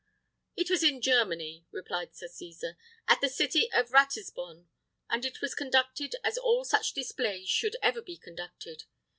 "It was in Germany," replied Sir Cesar, "at the city of Ratisbon; and it was conducted as all such displays should ever be conducted.